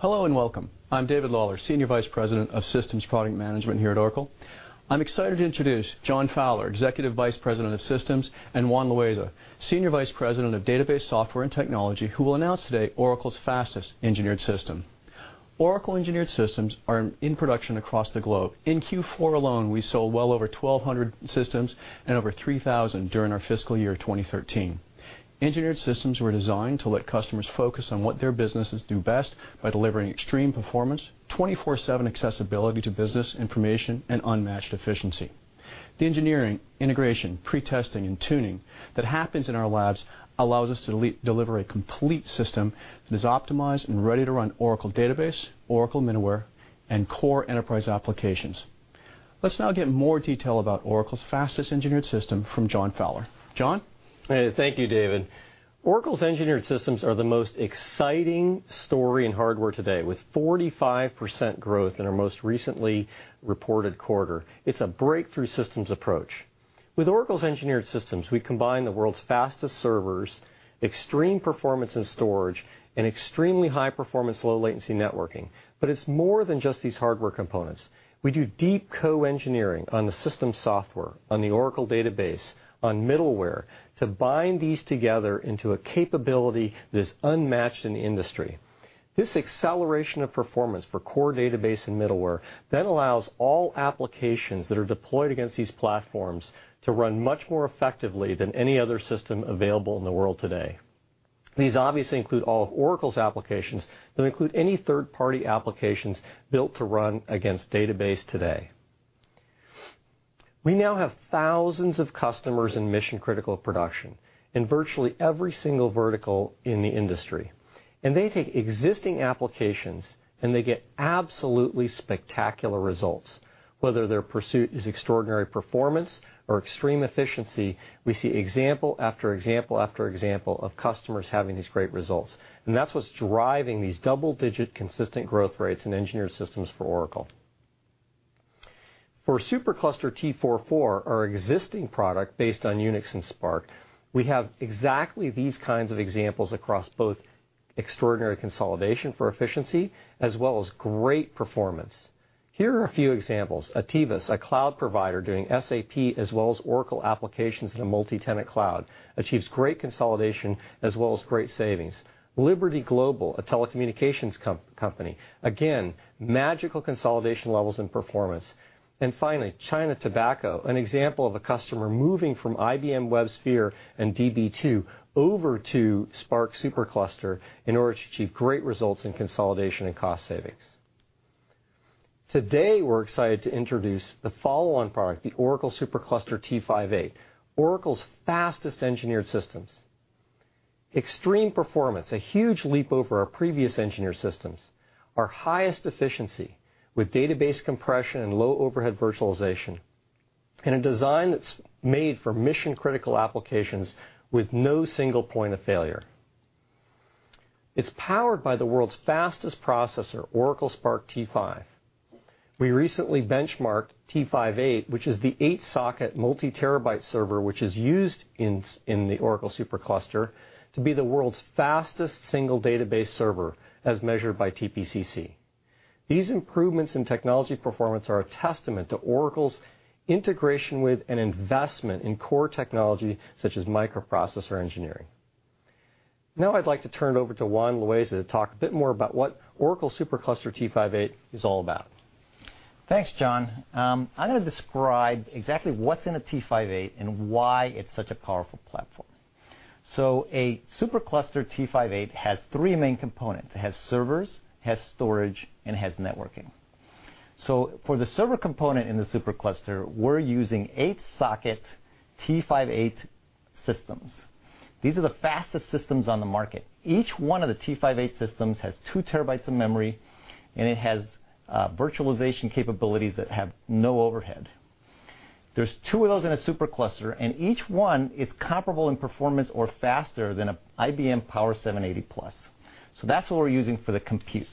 Hello and welcome. I'm David Lawler, Senior Vice President of Systems Product Management here at Oracle. I'm excited to introduce John Fowler, Executive Vice President of Systems, and Juan Loaiza, Senior Vice President of Database Software and Technology, who will announce today Oracle's fastest engineered system. Oracle engineered systems are in production across the globe. In Q4 alone, we sold well over 1,200 systems and over 3,000 during our fiscal year 2013. Engineered systems were designed to let customers focus on what their businesses do best by delivering extreme performance, 24/7 accessibility to business information, and unmatched efficiency. The engineering, integration, pre-testing, and tuning that happens in our labs allows us to deliver a complete system that is optimized and ready to run Oracle Database, Oracle Middleware, and core enterprise applications. Let's now get more detail about Oracle's fastest engineered system from John Fowler. John? Hey, thank you, David. Oracle's engineered systems are the most exciting story in hardware today, with 45% growth in our most recently reported quarter. It's a breakthrough systems approach. With Oracle's engineered systems, we combine the world's fastest servers, extreme performance and storage, and extremely high performance, low-latency networking. It's more than just these hardware components. We do deep co-engineering on the system software, on the Oracle Database, on middleware to bind these together into a capability that is unmatched in the industry. This acceleration of performance for core Database and middleware allows all applications that are deployed against these platforms to run much more effectively than any other system available in the world today. These obviously include all of Oracle's applications. They include any third-party applications built to run against Database today. We now have thousands of customers in mission-critical production, in virtually every single vertical in the industry. They take existing applications, and they get absolutely spectacular results. Whether their pursuit is extraordinary performance or extreme efficiency, we see example after example after example of customers having these great results. That's what's driving these double-digit consistent growth rates in engineered systems for Oracle. For SuperCluster T44, our existing product based on Unix and SPARC, we have exactly these kinds of examples across both extraordinary consolidation for efficiency as well as great performance. Here are a few examples. Ativos, a cloud provider doing SAP as well as Oracle applications in a multi-tenant cloud, achieves great consolidation as well as great savings. Liberty Global, a telecommunications company, again, magical consolidation levels and performance. Finally, China Tobacco, an example of a customer moving from IBM WebSphere and Db2 over to SPARC SuperCluster in order to achieve great results in consolidation and cost savings. Today, we're excited to introduce the follow-on product, the Oracle SuperCluster T58, Oracle's fastest engineered systems. Extreme performance, a huge leap over our previous engineered systems. Our highest efficiency with database compression and low-overhead virtualization, and a design that's made for mission-critical applications with no single point of failure. It's powered by the world's fastest processor, Oracle SPARC T5. We recently benchmarked T58, which is the eight-socket multi-terabyte server, which is used in the Oracle SuperCluster, to be the world's fastest single database server, as measured by TPC-C. These improvements in technology performance are a testament to Oracle's integration with and investment in core technology such as microprocessor engineering. I'd like to turn it over to Juan Loaiza to talk a bit more about what Oracle SuperCluster T58 is all about. Thanks, John. I'm going to describe exactly what's in a T58 and why it's such a powerful platform. A SuperCluster T58 has three main components. It has servers, it has storage, and it has networking. For the server component in the SuperCluster, we're using eight-socket T58 systems. These are the fastest systems on the market. Each one of the T58 systems has 2 terabytes of memory, and it has virtualization capabilities that have no overhead. There's two of those in a SuperCluster, and each one is comparable in performance or faster than a IBM Power 780+. That's what we're using for the compute.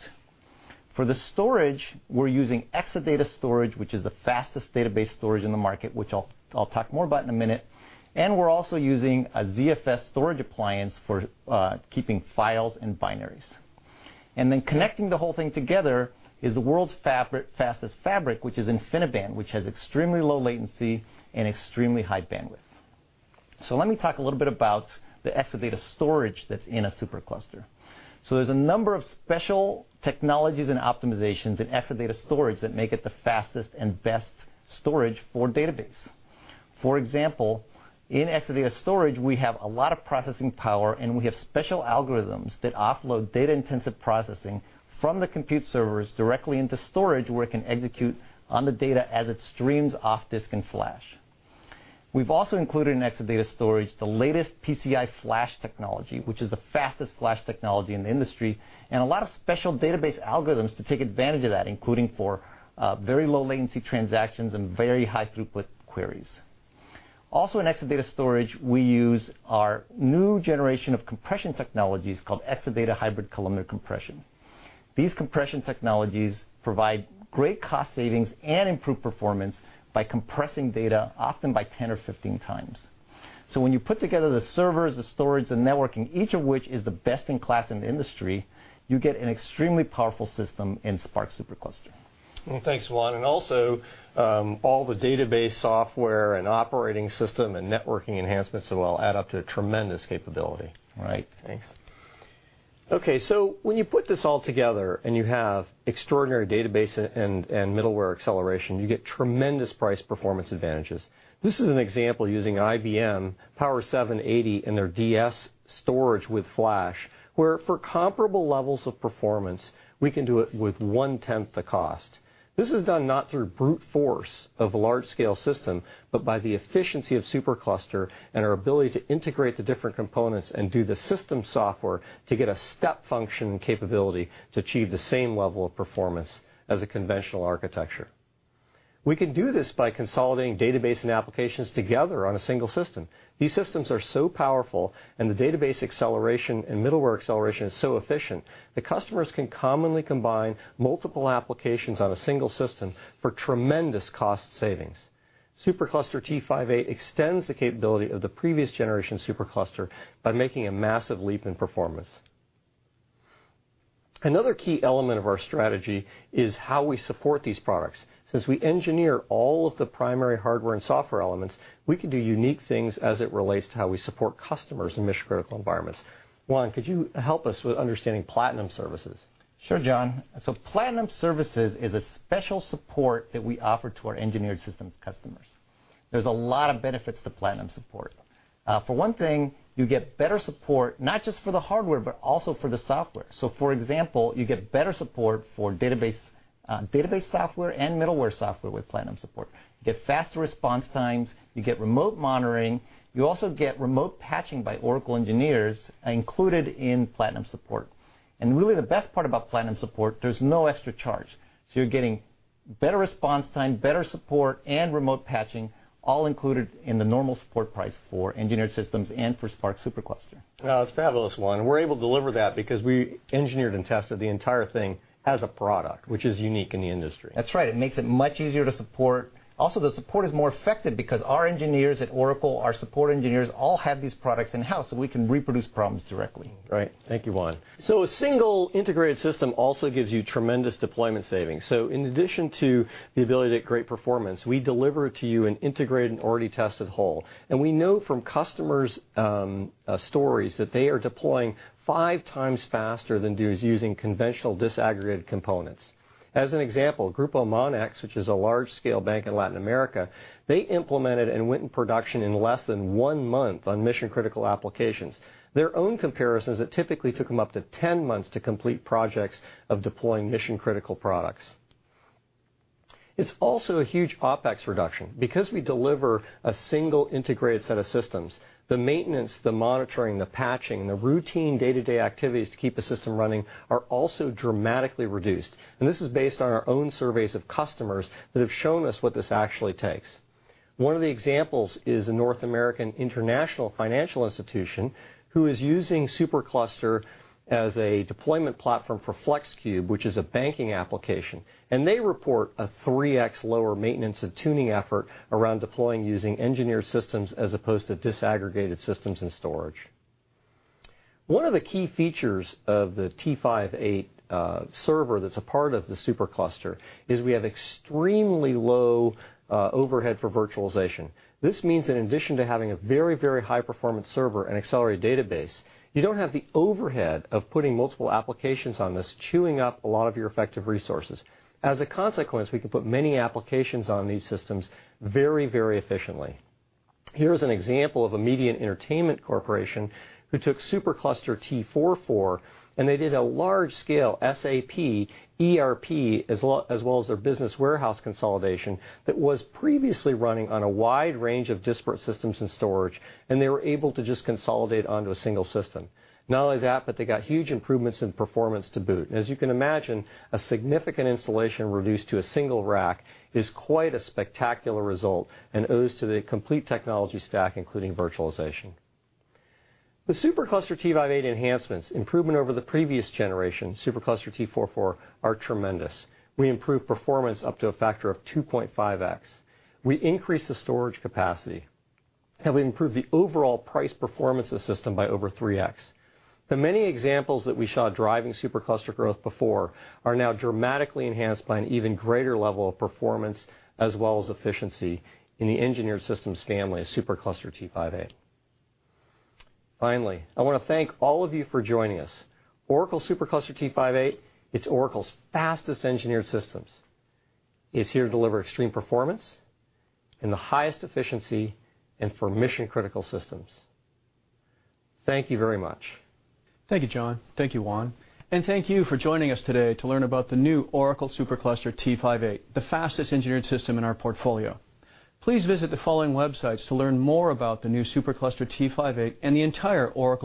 For the storage, we're using Exadata storage, which is the fastest database storage in the market, which I'll talk more about in a minute, and we're also using a ZFS storage appliance for keeping files and binaries. Connecting the whole thing together is the world's fastest fabric, which is InfiniBand, which has extremely low latency and extremely high bandwidth. Let me talk a little bit about the Exadata storage that's in a SuperCluster. There's a number of special technologies and optimizations in Exadata storage that make it the fastest and best storage for database. For example, in Exadata storage, we have a lot of processing power, and we have special algorithms that offload data-intensive processing from the compute servers directly into storage, where it can execute on the data as it streams off disk and flash. We've also included in Exadata storage the latest PCIe Flash technology, which is the fastest flash technology in the industry, and a lot of special database algorithms to take advantage of that, including for very low-latency transactions and very high throughput queries. Also in Exadata storage, we use our new generation of compression technologies called Exadata Hybrid Columnar Compression. These compression technologies provide great cost savings and improve performance by compressing data, often by 10 or 15 times. When you put together the servers, the storage, the networking, each of which is the best in class in the industry, you get an extremely powerful system in SPARC SuperCluster. Thanks, Juan. All the database software and operating system and networking enhancements as well add up to a tremendous capability. Right. Thanks. When you put this all together and you have extraordinary database and middleware acceleration, you get tremendous price performance advantages. This is an example using IBM Power 780 and their DS8000 with Flash, where for comparable levels of performance, we can do it with one-tenth the cost. This is done not through brute force of a large-scale system, but by the efficiency of SuperCluster and our ability to integrate the different components and do the system software to get a step function capability to achieve the same level of performance as a conventional architecture. We can do this by consolidating database and applications together on a single system. These systems are so powerful, and the database acceleration and middleware acceleration is so efficient, the customers can commonly combine multiple applications on a single system for tremendous cost savings. SuperCluster T5-8 extends the capability of the previous generation SuperCluster by making a massive leap in performance. Another key element of our strategy is how we support these products. Since we engineer all of the primary hardware and software elements, we can do unique things as it relates to how we support customers in mission-critical environments. Juan, could you help us with understanding Platinum Services? Sure, John. Platinum Services is a special support that we offer to our Engineered Systems customers. There's a lot of benefits to Platinum Support. For one thing, you get better support not just for the hardware but also for the software. For example, you get better support for database software and middleware software with Platinum Support. You get faster response times. You get remote monitoring. You also get remote patching by Oracle engineers included in Platinum Support. And really the best part about Platinum Support, there's no extra charge. So you're getting better response time, better support, and remote patching all included in the normal support price for Engineered Systems and for SPARC SuperCluster. Wow, that's fabulous, Juan. We're able to deliver that because we engineered and tested the entire thing as a product, which is unique in the industry. That's right. It makes it much easier to support. Also, the support is more effective because our engineers at Oracle, our support engineers, all have these products in-house, so we can reproduce problems directly. Right. Thank you, Juan. A single integrated system also gives you tremendous deployment savings. In addition to the ability to get great performance, we deliver to you an integrated and already tested whole. We know from customers' stories that they are deploying five times faster than those using conventional disaggregated components. As an example, Grupo Monex, which is a large-scale bank in Latin America, they implemented and went in production in less than one month on mission-critical applications. Their own comparisons, it typically took them up to 10 months to complete projects of deploying mission-critical products. It's also a huge OpEx reduction. Because we deliver a single integrated set of systems, the maintenance, the monitoring, the patching, the routine day-to-day activities to keep the system running are also dramatically reduced, and this is based on our own surveys of customers that have shown us what this actually takes. One of the examples is a North American international financial institution who is using Supercluster as a deployment platform for FLEXCUBE, which is a banking application, and they report a 3x lower maintenance and tuning effort around deploying using engineered systems as opposed to disaggregated systems and storage. One of the key features of the T58 server that's a part of the Supercluster is we have extremely low overhead for virtualization. This means in addition to having a very, very high-performance server and accelerated database, you don't have the overhead of putting multiple applications on this, chewing up a lot of your effective resources. As a consequence, we can put many applications on these systems very, very efficiently. Here's an example of a media and entertainment corporation who took Supercluster T4-4, they did a large-scale SAP ERP as well as their business warehouse consolidation that was previously running on a wide range of disparate systems and storage, they were able to just consolidate onto a single system. Not only that, they got huge improvements in performance to boot. As you can imagine, a significant installation reduced to a single rack is quite a spectacular result and owes to the complete technology stack, including virtualization. The Supercluster T5-8 enhancements improvement over the previous generation, Supercluster T4-4, are tremendous. We improved performance up to a factor of 2.5x. We increased the storage capacity, we improved the overall price performance of the system by over 3x. The many examples that we saw driving Supercluster growth before are now dramatically enhanced by an even greater level of performance as well as efficiency in the engineered systems family of Supercluster T5-8. Finally, I want to thank all of you for joining us. Oracle Supercluster T5-8, it's Oracle's fastest engineered systems. It's here to deliver extreme performance and the highest efficiency and for mission-critical systems. Thank you very much. Thank you, John. Thank you, Juan. Thank you for joining us today to learn about the new Oracle Supercluster T5-8, the fastest engineered system in our portfolio. Please visit the following websites to learn more about the new Supercluster T5-8 and the entire Oracle